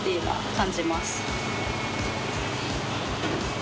感じます。